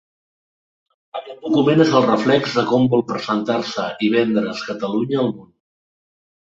Aquest document és el reflex de com vol presentar-se i vendre's Catalunya al món.